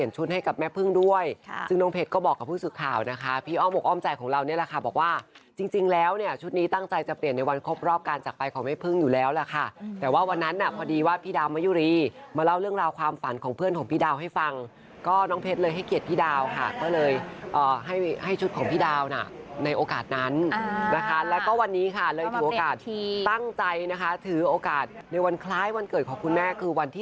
จะเปลี่ยนในวันครบรอบการจากไปของแม่พึ่งอยู่แล้วล่ะค่ะแต่ว่าวันนั้นน่ะพอดีว่าพี่ดาวมะยุรีมาเล่าเรื่องราวความฝันของเพื่อนของพี่ดาวให้ฟังก็น้องเพชรเลยให้เกียรติพี่ดาวค่ะก็เลยให้ชุดของพี่ดาวน่ะในโอกาสนั้นนะคะแล้วก็วันนี้ค่ะเลยถือโอกาสตั้งใจนะคะถือโอกาสในวันคล้ายวันเกิดของคุณแม่คือวั